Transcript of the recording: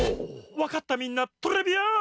わかったみんなトレビアーン！